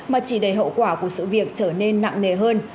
mà chỉ để hậu quả của sự việc trở nên nặng nề hơn